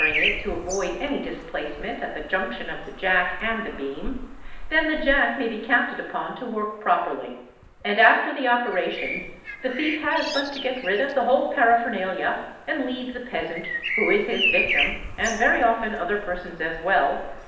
ing it to avoid any displacement at the junction of the jack and the beam, then the jack may be counted upon to work properly, and after the operation the thief has but to get rid of the whole paraphernalia and _ leave the peasant who is his victim, and very often other persons as well